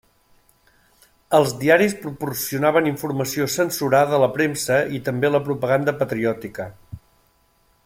Els diaris proporcionaven informació censurada a la premsa i també la propaganda patriòtica.